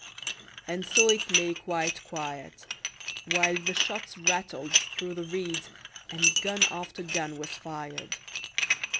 And so it lay quite quiet, while the shots rattled through the reeds and gun after gun was fired.